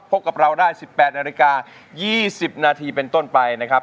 พบกับเราได้๑๘นาฬิกา๒๐นาทีเป็นต้นไปนะครับ